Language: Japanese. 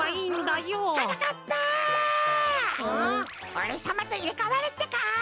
おれさまといれかわるってか！